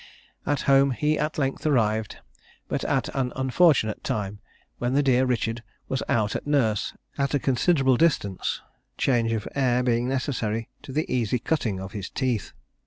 At home he at length arrived, but at an unfortunate time, when the dear Richard was out at nurse, at a considerable distance; change of air being necessary to the easy cutting of his teeth.